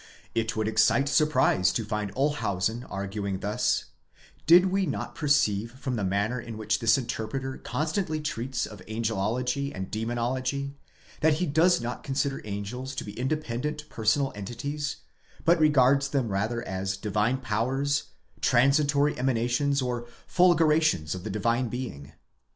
It would excite surprise to find Olshausen arguing thus, did we not perceive from the manner in which this interpreter constantly tréats of angelology and demo nology, that he does not consider angels to be independent personal entities ; but regards them rather as divine powers, transitory emanations and fulgura tions of the Divine Being.